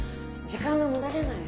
時間が無駄じゃない。